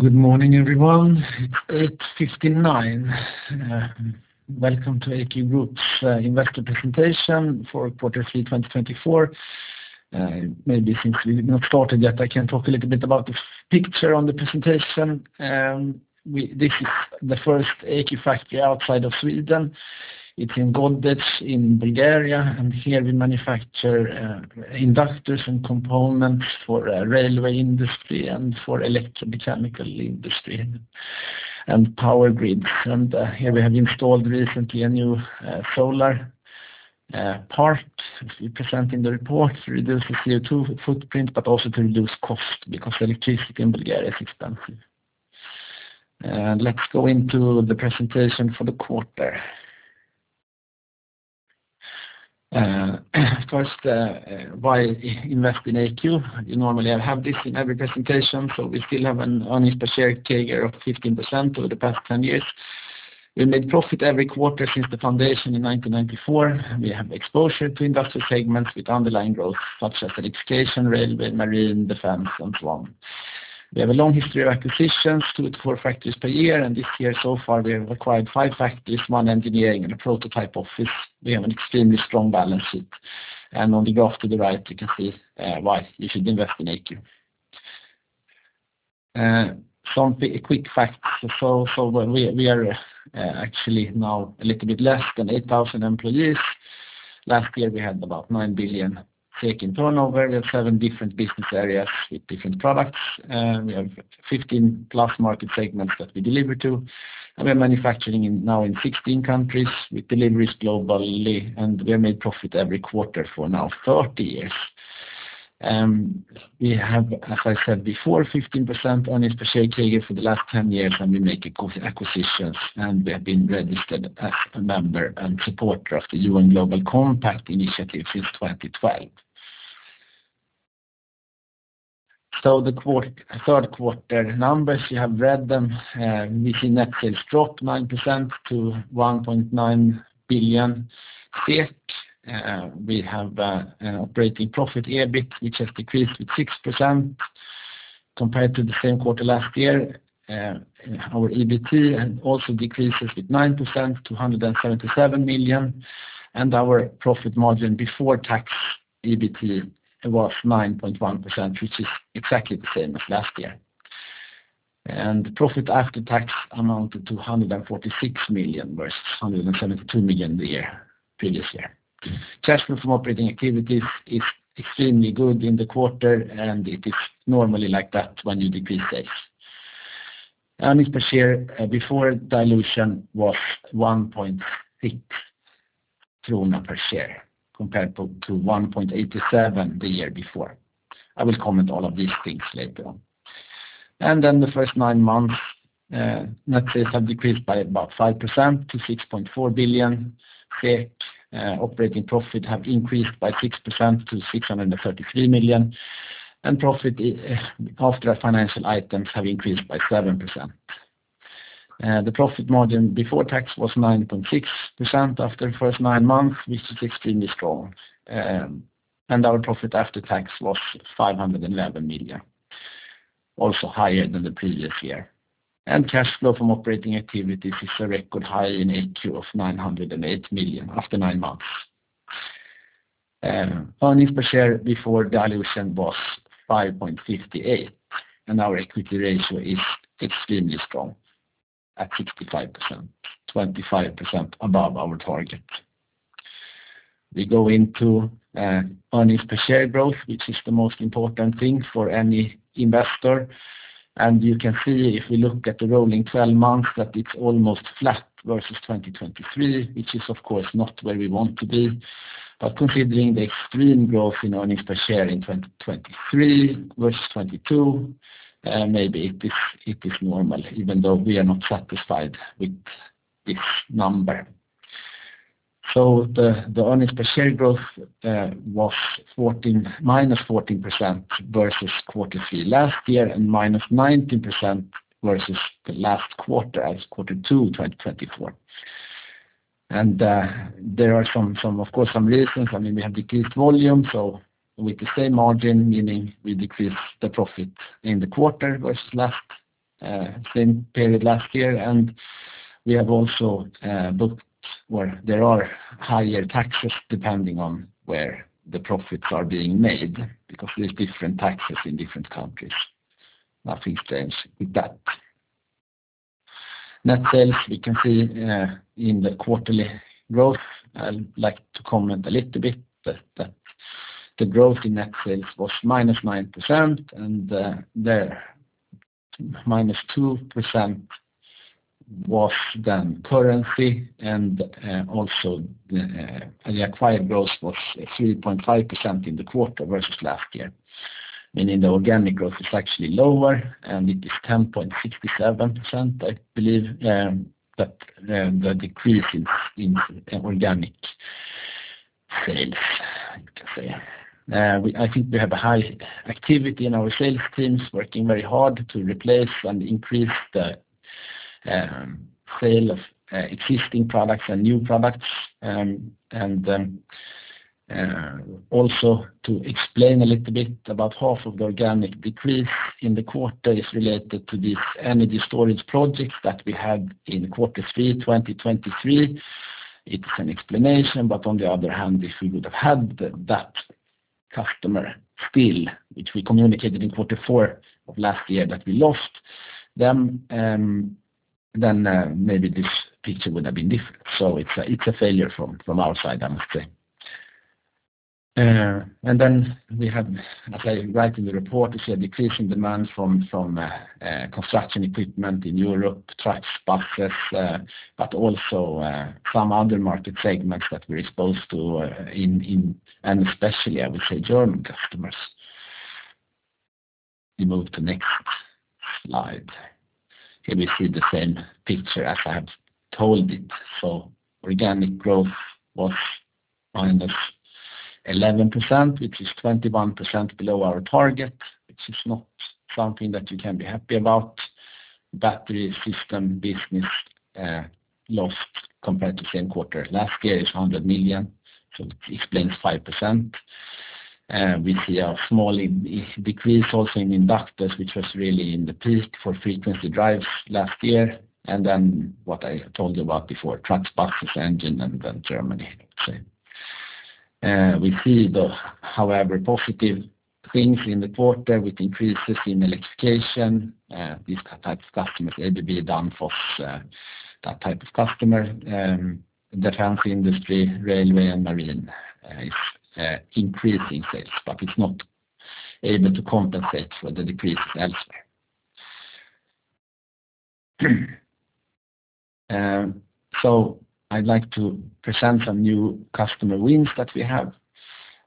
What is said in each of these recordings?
Good morning, everyone. It's 8:59. Welcome to AQ Group's investor presentation for Q3 2024. Maybe since we've not started yet, I can talk a little bit about the picture on the presentation. This is the first AQ factory outside of Sweden. It's in Godech in Bulgaria, and here we manufacture inductors and components for railway industry and for electromechanical industry and power grids. Here we have installed recently a new solar part, as we present in the report, reduces CO2 footprint, but also to reduce cost because electricity in Bulgaria is expensive. Let's go into the presentation for the quarter. First, why invest in AQ? Normally, I have this in every presentation, so we still have an earnings per share CAGR of 15% over the past 10 years. We made profit every quarter since the foundation in 1994. We have exposure to industrial segments with underlying growth such as electrification, railway, marine, defense, and so on. We have a long history of acquisitions, two-four factories per year, and this year so far, we have acquired five factories, one engineering and a prototype office. We have an extremely strong balance sheet. On the graph to the right, you can see why you should invest in AQ. Some quick facts. We are actually now a little bit less than 8,000 employees. Last year, we had about 9 billion in turnover. We have seven different business areas with different products. We have 15+ market segments that we deliver to. We are manufacturing now in 16 countries with deliveries globally, and we made profit every quarter for now 30 years. We have, as I said before, 15% earnings per share CAGR for the last 10 years, we make acquisitions, we have been registered as a member and supporter of the United Nations Global Compact since 2012. The third quarter numbers, you have read them. We see net sales dropped 9% to 1.9 billion SEK. We have operating profit EBIT which has decreased with 6% compared to the same quarter last year. Our EBIT also decreases with 9% to 177 million. Our profit margin before tax EBIT was 9.1%, which is exactly the same as last year. Profit after tax amounted to 146 million versus 172 million the previous year. Cash flow from operating activities is extremely good in the quarter, and it is normally like that when you decrease sales. Earnings per share before dilution was 1.6 krona per share, compared to 1.87 the year before. I will comment all of these things later on. The first nine months, net sales have decreased by about 5% to 6.4 billion. Operating profit have increased by 6% to 633 million. Profit after our financial items have increased by 7%. The profit margin before tax was 9.6% after the first nine months, which is extremely strong. Our profit after tax was 511 million, also higher than the previous year. Cash flow from operating activities is a record high in AQ of 908 million after nine months. Earnings per share before dilution was 5.58, and our equity ratio is extremely strong at 65%, 25 above our target. We go into earnings per share growth, which is the most important thing for any investor. You can see if we look at the rolling 12 months that it's almost flat versus 2023, which is, of course, not where we want to be. Considering the extreme growth in our earnings per share in 2023 versus 2022, maybe it is normal, even though we are not satisfied with this number. The earnings per share growth was minus 14% versus Q3 last year and minus 19% versus Q2 2024. There are of course some reasons. I mean, we have decreased volume, so with the same margin, meaning we decrease the profit in the quarter versus last same period last year. We have also, Well, there are higher taxes depending on where the profits are being made because there's different taxes in different countries. Nothing strange with that. Net sales, we can see in the quarterly growth. I'd like to comment a little bit, but the growth in net sales was -9%, and the minus 2% was then currency, and also the acquired growth was 3.5% in the quarter versus last year. Meaning the organic growth is actually lower, and it is 10.67%, I believe, but the decrease is in organic sales, I can say. I think we have a high activity in our sales teams working very hard to replace and increase the sale of existing products and new products. Then also to explain a little bit about half of the organic decrease in the quarter is related to these energy storage projects that we had in quarter 3 2023. It's an explanation. On the other hand, if we would have had that customer still, which we communicated in quarter four of last year that we lost, then maybe this picture would have been different. It's a failure from our side, I must say. We had, as I write in the report, a decrease in demand from construction equipment in Europe, trucks, buses, but also some other market segments that we're exposed to in and especially, I would say, German customers. We move to next slide. Here we see the same picture as I have told it. Organic growth was minus 11%, which is 21% below our target, which is not something that you can be happy about. Battery system business lost compared to same quarter last year is 100 million, it explains 5%. We see a small decrease also in inductors, which was really in the peak for frequency drives last year. What I told you about before, trucks, buses, engine, Germany. We see however positive things in the quarter with increases in electrification. These type of customers, ABB, Danfoss, that type of customer, defense industry, railway, and marine is increasing sales, but it's not able to compensate for the decreases elsewhere. I'd like to present some new customer wins that we have.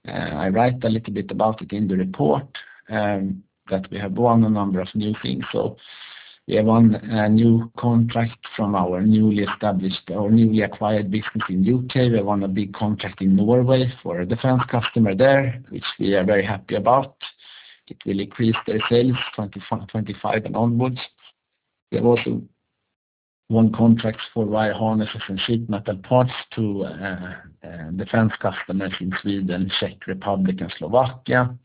I write a little bit about it in the report that we have won a number of new things. We have won a new contract from our newly established or newly acquired business in U.K. We won a big contract in Norway for a defense customer there, which we are very happy about. It will increase their sales 2025 and onwards. We have also won contracts for wire harnesses and sheet metal parts to defense customers in Sweden, Czech Republic, and Slovakia,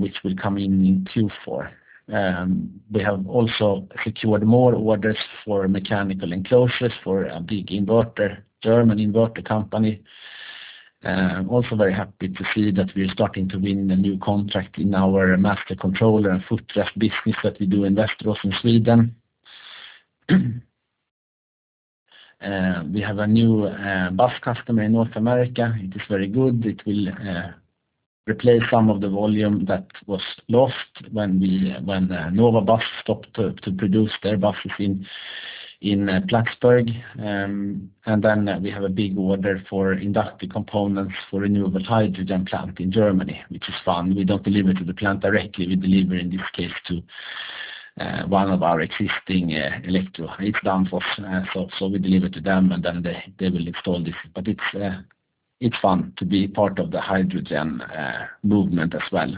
which will come in in Q4. We have also secured more orders for mechanical enclosures for a big inverter, German inverter company. I am also very happy to see that we are starting to win a new contract in our master controller and footrest business that we do in Västerås in Sweden. We have a new bus customer in North America. It is very good. It will replace some of the volume that was lost when we, when Nova Bus stopped to produce their buses in Plattsburgh. We have a big order for inductive components for renewable hydrogen plant in Germany, which is fun. We don't deliver to the plant directly. We deliver in this case to one of our existing, it's Danfoss. We deliver to them, they will install this. It's fun to be part of the hydrogen movement as well.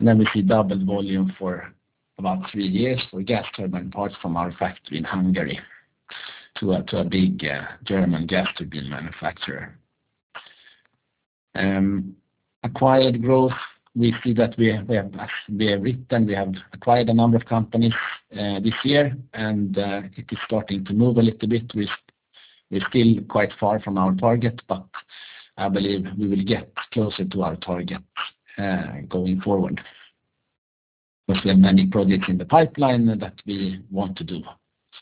We see double volume for about three years for gas turbine parts from our factory in Hungary to a big German gas turbine manufacturer. Acquired growth. We see that we are written. We have acquired a number of companies this year, and it is starting to move a little bit. We're still quite far from our target, but I believe we will get closer to our target going forward. Of course, we have many projects in the pipeline that we want to do,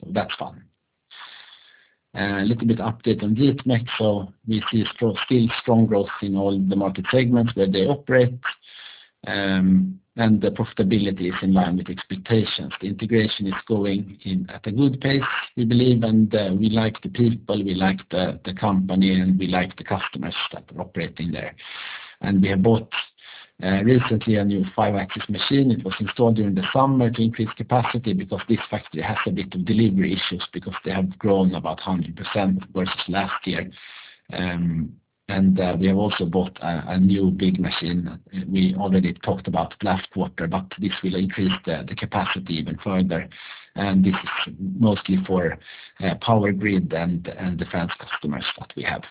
so that's fun. A little bit update on mdexx. We see still strong growth in all the market segments where they operate, and the profitability is in line with expectations. The integration is going in at a good pace, we believe, and we like the people, we like the company, and we like the customers that are operating there. We have bought recently a new five-axis machine. It was installed during the summer to increase capacity because this factory has a bit of delivery issues because they have grown about 100% versus last year. We have also bought a new big machine. We already talked about last quarter, this will increase the capacity even further. This is mostly for power grid and defense customers that we have.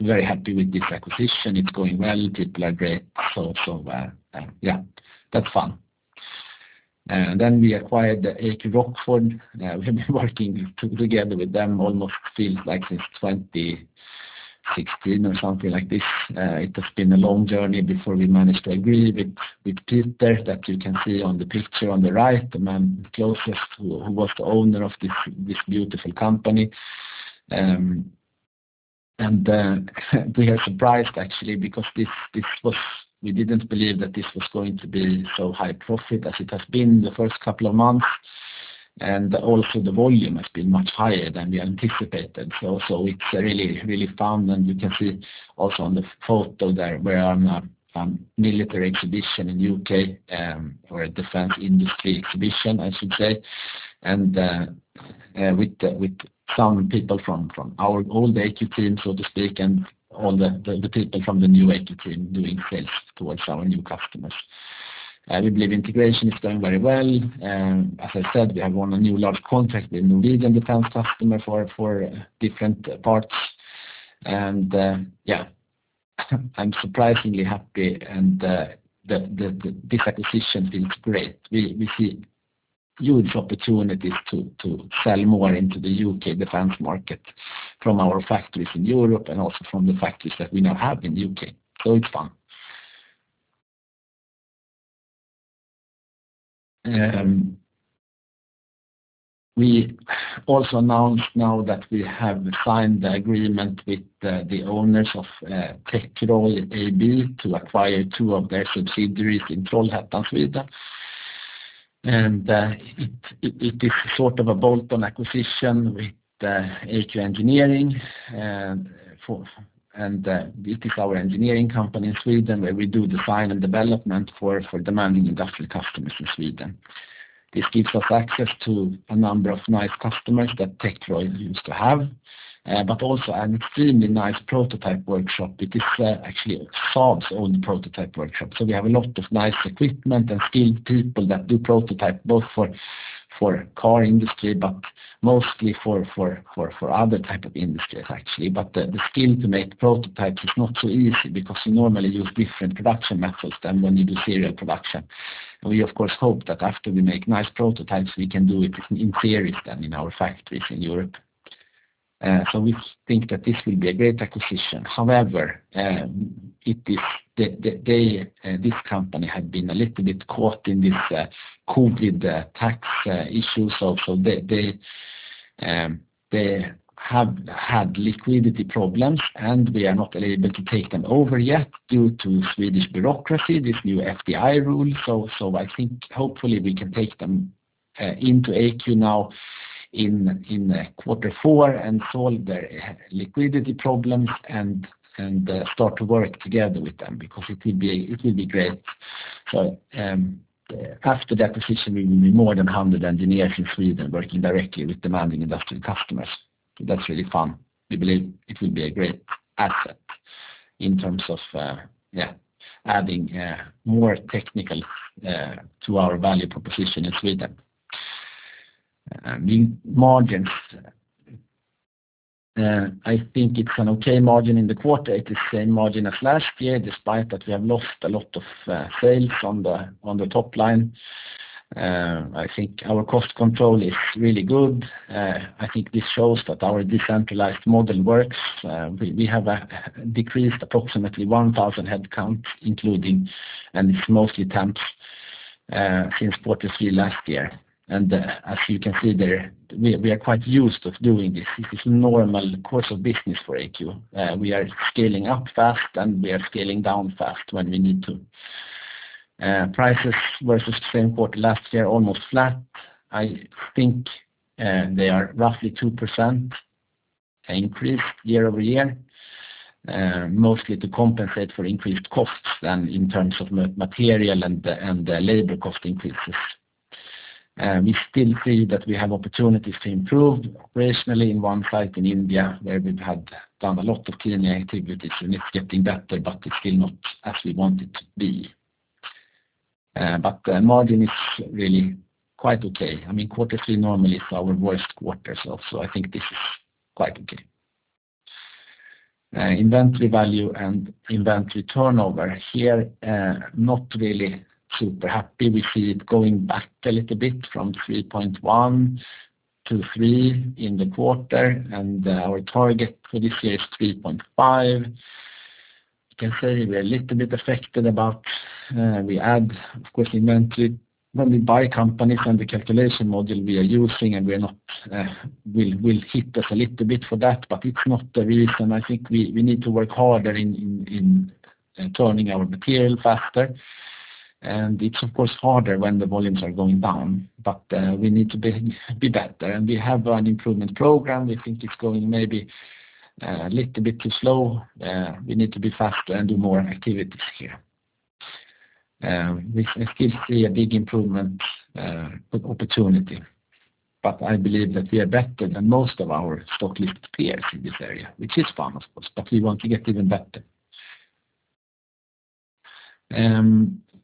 Very happy with this acquisition. It's going well. People agree. Yeah, that's fun. We acquired AQ Rockford. We've been working together with them almost feels like since 2016 or something like this. It has been a long journey before we managed to agree with Peter that you can see on the picture on the right, the man closest who was the owner of this beautiful company. We are surprised actually because we didn't believe that this was going to be so high profit as it has been the first couple of months, and also the volume has been much higher than we anticipated. It's really fun. You can see also on the photo there we are on a military exhibition in U.K., or a defense industry exhibition, I should say. With some people from our old AQ team, so to speak, and all the people from the new AQ team doing sales towards our new customers. I believe integration is going very well. As I said, we have won a new large contract with Norwegian defense customer for different parts. I'm surprisingly happy, this acquisition feels great. We see huge opportunities to sell more into the U.K. defense market from our factories in Europe and also from the factories that we now have in the U.K. It's fun. We also announced now that we have signed the agreement with the owners of TechROi AB to acquire two of their subsidiaries in Trollhättan, Sweden. It is sort of a bolt-on acquisition with AQ Engineering, and it is our engineering company in Sweden, where we do design and development for demanding industrial customers in Sweden. This gives us access to a number of nice customers that TechROi used to have, but also an extremely nice prototype workshop. It is actually Saab's own prototype workshop. We have a lot of nice equipment and skilled people that do prototype both for car industry, but mostly for other type of industries, actually. The skill to make prototypes is not so easy because you normally use different production methods than when you do serial production. We of course, hope that after we make nice prototypes, we can do it in series then in our factories in Europe. We think that this will be a great acquisition. However, this company had been a little bit caught in this COVID tax issues also. They have had liquidity problems, and we are not able to take them over yet due to Swedish bureaucracy, this new FDI rule. I think hopefully we can take them into AQ now in quarter four and solve their liquidity problems and start to work together with them because it will be great. After the acquisition, we will be more than 100 engineers in Sweden working directly with demanding industrial customers. That's really fun. We believe it will be a great asset in terms of adding more technical to our value proposition in Sweden. I mean, margins, I think it's an okay margin in the quarter. It is same margin as last year, despite that we have lost a lot of sales on the top line. I think our cost control is really good. I think this shows that our decentralized model works. We, we have decreased approximately 1,000 headcount, including, and it's mostly temps, since Q3 last year. As you can see there, we are quite used with doing this. This is normal course of business for AQ. We are scaling up fast, and we are scaling down fast when we need to. Prices versus the same quarter last year, almost flat. I think, they are roughly 2% increased year-over-year, mostly to compensate for increased costs than in terms of material and labor cost increases. We still see that we have opportunities to improve operationally in one site in India, where we have done a lot of kaizen activities, and it's getting better, but it's still not as we want it to be. The margin is really quite okay. I mean, quarter three normally is our worst quarter. I think this is quite okay. Inventory value and inventory turnover here, not really super happy. We see it going back a little bit from 3.1 to 3 in the quarter. Our target for this year is 3.5. You can say we are a little bit affected, but we add, of course, inventory when we buy companies and the calculation model we are using, and we are not, will hit us a little bit for that, but it's not the reason. I think we need to work harder in turning our material faster. It's of course harder when the volumes are going down, but we need to be better. We have an improvement program. We think it's going maybe a little bit too slow. We need to be faster and do more activities here. We still see a big improvement opportunity, but I believe that we are better than most of our stock list peers in this area, which is fun, of course, but we want to get even better.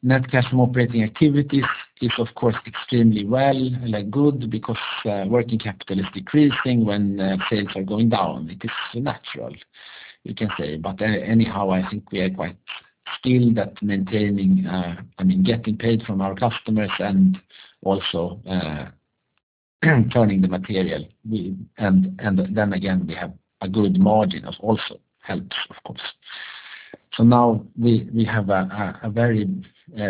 Net cash from operating activities is, of course, extremely well, like good because working capital is decreasing when sales are going down. It is natural, you can say. Anyhow, I think we are quite skilled at maintaining, I mean, getting paid from our customers and also turning the material. Then again, we have a good margin that also helps, of course. Now we have a very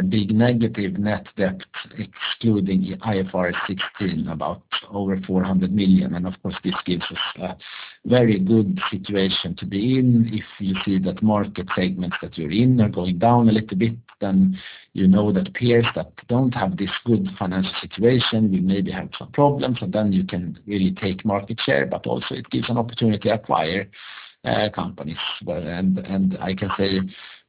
big negative net debt, excluding IFRS 16, about over 400 million. Of course, this gives us a very good situation to be in. If you see that market segments that you're in are going down a little bit, then you know that peers that don't have this good financial situation will maybe have some problems, and then you can really take market share, but also it gives an opportunity to acquire companies. Well, I can say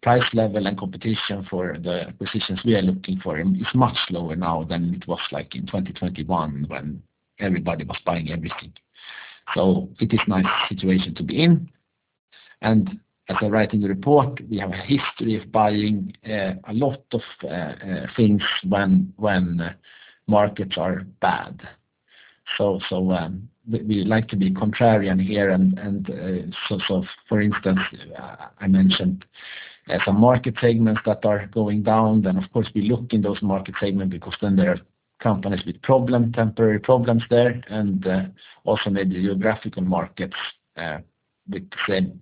price level and competition for the acquisitions we are looking for is much lower now than it was like in 2021 when everybody was buying everything. It is nice situation to be in. As I write in the report, we have a history of buying a lot of things when markets are bad. We like to be contrarian here and, for instance, I mentioned as some market segments that are going down, then of course we look in those market segments because then there are companies with temporary problems there, and also maybe geographical markets, with the same.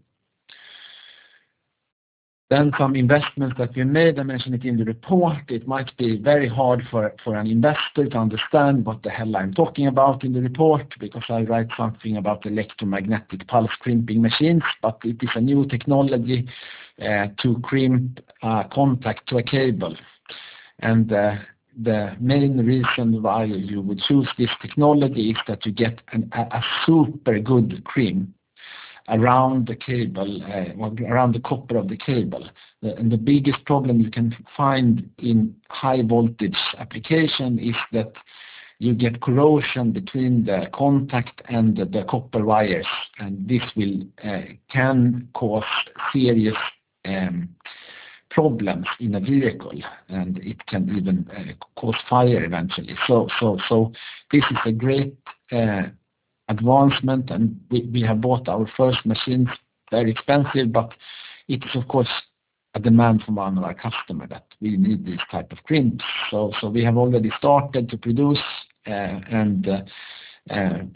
Some investments that we made, I mentioned it in the report. It might be very hard for an investor to understand what the hell I am talking about in the report because I write something about electromagnetic pulse crimping machines, but it is a new technology to crimp, contact to a cable. The main reason why you would choose this technology is that you get a super good crimp around the cable, well, around the copper of the cable. The biggest problem you can find in high voltage application is that you get corrosion between the contact and the copper wires, and this will can cause serious problems in a vehicle, and it can even cause fire eventually. This is a great advancement, and we have bought our first machines. Very expensive, but it is of course a demand from one of our customer that we need this type of crimps. We have already started to produce and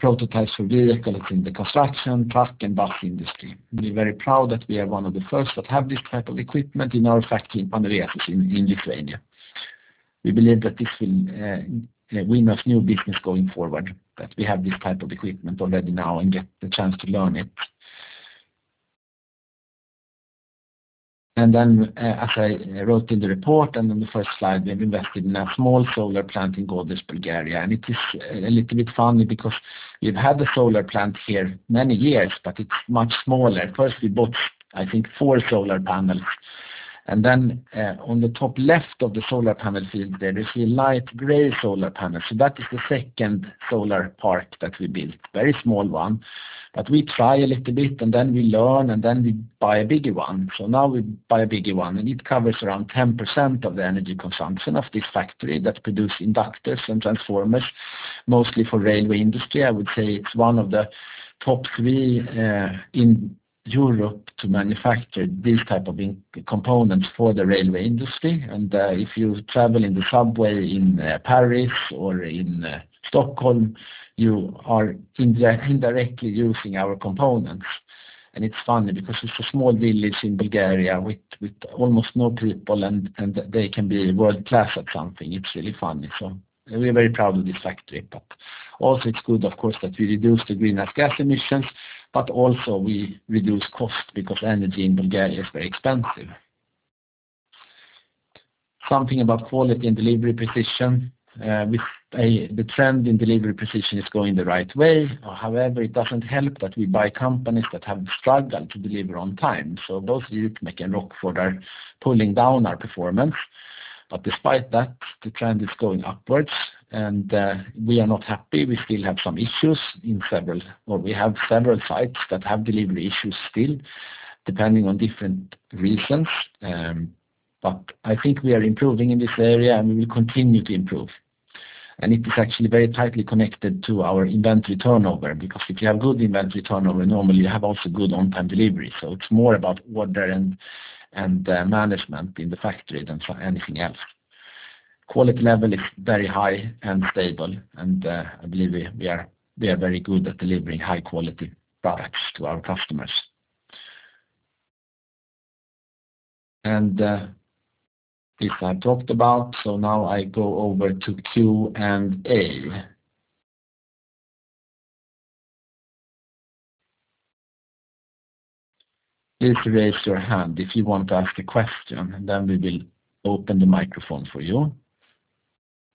prototypes for vehicles in the construction, truck and bus industry. We are very proud that we are one of the first that have this type of equipment in our factory in Panevėžys in Lithuania. We believe that this will win us new business going forward, that we have this type of equipment already now and get the chance to learn it. Then, as I wrote in the report and on the first slide, we've invested in a small solar plant in Gorna Dzhumaya, Bulgaria. It is a little bit funny because we've had a solar plant here many years, but it's much smaller. First, we bought, I think, four solar panels. Then, on the top left of the solar panel field there, you see a light gray solar panel. That is the second solar park that we built, very small one. We try a little bit, and then we learn, and then we buy a bigger one. Now we buy a bigger one, and it covers around 10% of the energy consumption of this factory that produce inductors and transformers, mostly for railway industry. I would say it's one of the top three in Europe to manufacture these type of components for the railway industry. If you travel in the subway in Paris or in Stockholm, you are indirectly using our components. It's funny because it's a small village in Bulgaria with almost no people and they can be world-class at something. It's really funny. We're very proud of this factory. Also it's good of course, that we reduce the greenhouse gas emissions, but also we reduce cost because energy in Bulgaria is very expensive. Something about quality and delivery precision. With the trend in delivery precision is going the right way. It doesn't help that we buy companies that have struggled to deliver on time. Both Utmece and Rockford are pulling down our performance. Despite that, the trend is going upwards, and we are not happy. We still have some issues in several sites that have delivery issues still, depending on different reasons. I think we are improving in this area, and we will continue to improve. It is actually very tightly connected to our inventory turnover because if you have good inventory turnover, normally you have also good on-time delivery. It's more about order and management in the factory than anything else. Quality level is very high and stable, and I believe we are very good at delivering high quality products to our customers. This I talked about. I go over to Q&A. Please raise your hand if you want to ask a question, we will open the microphone for you.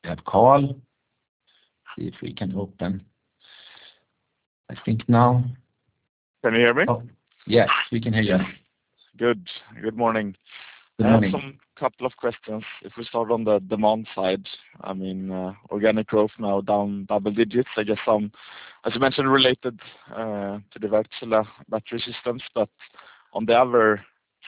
We have Carl. See if we can open. I think now. Can you hear me? Yes, we can hear you. Good. Good morning. Good morning. I have some couple of questions. If we start on the demand side, I mean, organic growth now down double digits. I guess some, as you mentioned, related to the Wärtsilä battery systems. On the other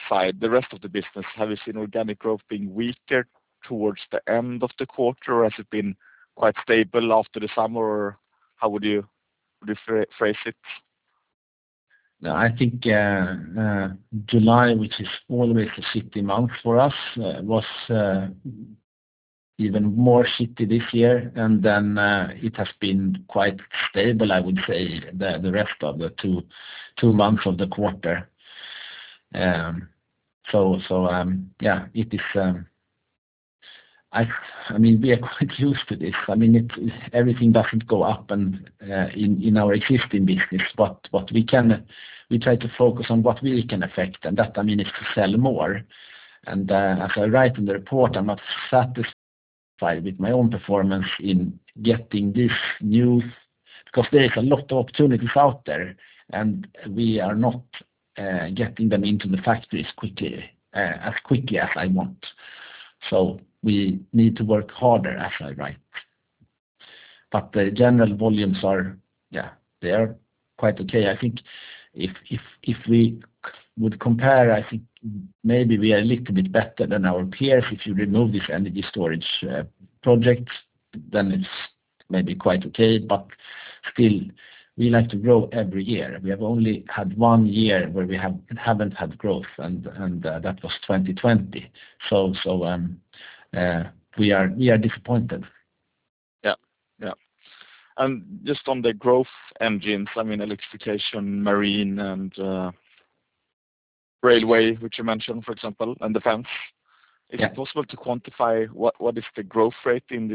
side, the rest of the business, have you seen organic growth being weaker towards the end of the quarter, or has it been quite stable after the summer, or how would you phrase it? No, I think July, which is always a shifty month for us, was even more shifty this year. It has been quite stable, I would say, the rest of the two months of the quarter. Yeah, it is. I mean, we are quite used to this. I mean, everything doesn't go up and in our existing business. What we can, we try to focus on what we can affect, and that, I mean, is to sell more. As I write in the report, I'm not satisfied with my own performance in getting this new. There is a lot of opportunities out there, and we are not getting them into the factories quickly as quickly as I want. We need to work harder, as I write. The general volumes are, yeah, they are quite okay. I think if we would compare, I think maybe we are a little bit better than our peers. If you remove this energy storage projects, then it's maybe quite okay, but still we like to grow every year. We have only had one year where we haven't had growth and, that was 2020. We are disappointed. Yeah. Yeah. Just on the growth engines, I mean, electrification, marine and railway, which you mentioned, for example, and defense. Yeah. Is it possible to quantify what is the growth rate in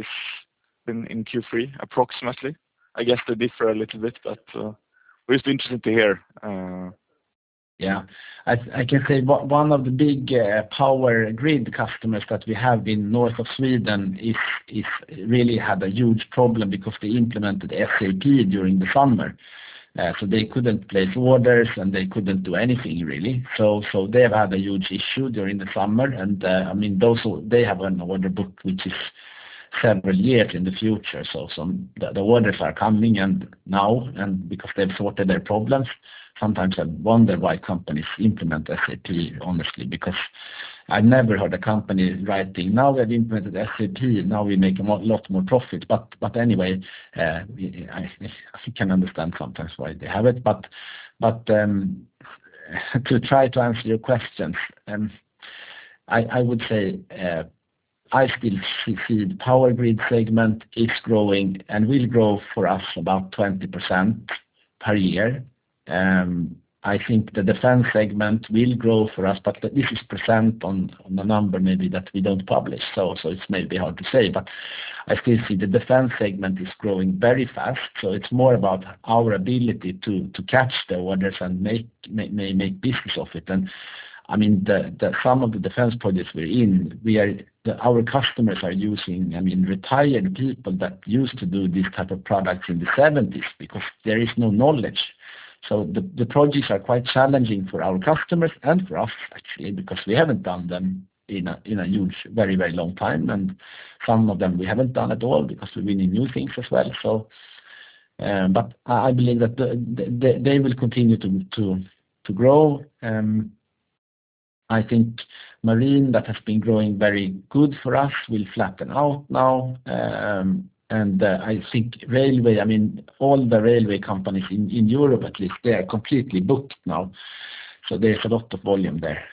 Q3 approximately? I guess they differ a little bit, we're just interested to hear. Yeah. I can say one of the big power grid customers that we have in north of Sweden really had a huge problem because they implemented SAP during the summer. They couldn't place orders, and they couldn't do anything, really. They have had a huge issue during the summer. I mean, they have an order book, which is several years in the future. The orders are coming and now and because they've sorted their problems, sometimes I wonder why companies implement SAP, honestly, because I've never heard a company writing. We've implemented SAP, now we make a lot more profit. Anyway, I can understand sometimes why they have it. To try to answer your questions, I would say, I still see the power grid segment is growing and will grow for us about 20% per year. I think the defense segment will grow for us, but this is percent on a number maybe that we don't publish. It's maybe hard to say, but I still see the defense segment is growing very fast, so it's more about our ability to catch the orders and make business of it. I mean, some of the defense projects we're in, our customers are using, I mean, retired people that used to do these type of products in the 1970s because there is no knowledge. The projects are quite challenging for our customers and for us actually, because we haven't done them in a huge, very long time, and some of them we haven't done at all because we're building new things as well. I believe that they will continue to grow. I think marine that has been growing very good for us will flatten out now. I think railway, I mean, all the railway companies in Europe, at least they are completely booked now. There's a lot of volume there,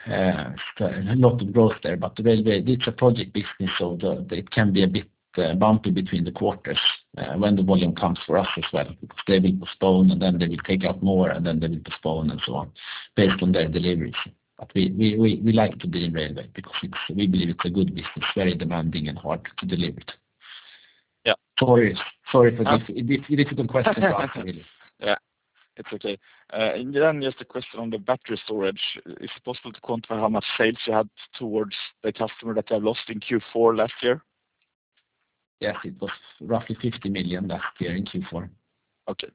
a lot of growth there. It's a project business, so it can be a bit bumpy between the quarters, when the volume comes for us as well, because they will postpone, and then they will take out more, and then they will postpone and so on, based on their deliveries. We like to be in railway because we believe it's a good business, very demanding and hard to deliver it. Yeah. Sorry. Sorry for this. It is a good question to ask really. Yeah. It's okay. Then just a question on the battery storage. Is it possible to quantify how much sales you had towards the customer that you have lost in Q4 last year? Yes. It was roughly 50 million last year in Q4. Okay.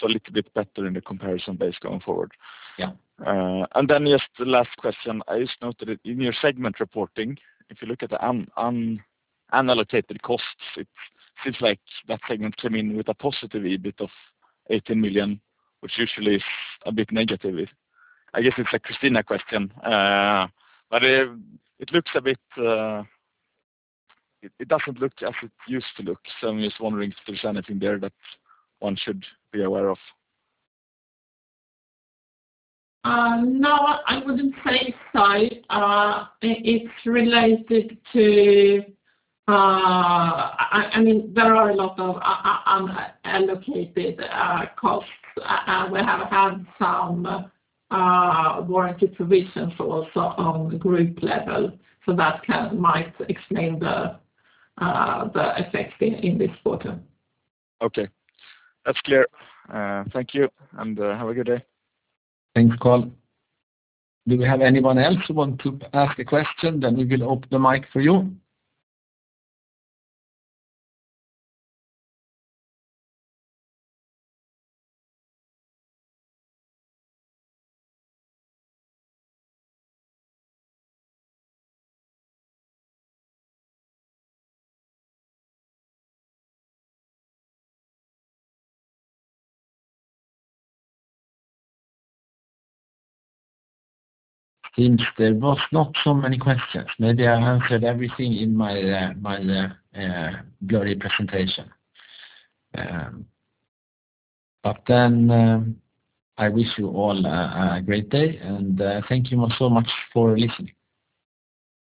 A little bit better in the comparison base going forward. Yeah. Just the last question. I just noted in your segment reporting, if you look at the unallocated costs, it seems like that segment came in with a positive EBIT of 80 million, which usually is a bit negative. I guess it's a Christina question. It doesn't look as it used to look, so I'm just wondering if there's anything there that one should be aware of. No, I wouldn't say so. It's related to. I mean, there are a lot of unallocated costs. We have had some warranty provisions also on group level. That might explain the effect in this quarter. Okay. That's clear. Thank you. Have a good day. Thanks, Carl. Do we have anyone else who want to ask a question? We will open the mic for you. Seems there was not so many questions. Maybe I answered everything in my my blurry presentation. I wish you all a great day, and thank you all so much for listening.